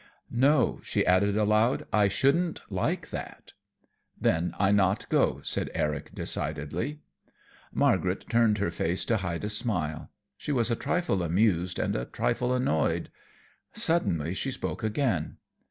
"No," she added aloud, "I shouldn't like that." "Then I not go," said Eric, decidedly. Margaret turned her face to hide a smile. She was a trifle amused and a trifle annoyed. Suddenly she spoke again.